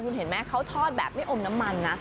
คุณเห็นไหมเขาทอดแบบไม่อมน้ำมันนะ